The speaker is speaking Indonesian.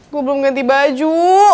gue belum ganti baju